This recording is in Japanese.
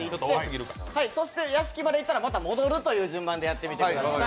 そして屋敷までいったら、また戻るという順番でやってください。